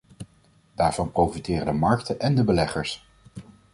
Daarvan profiteren de markten en de beleggers.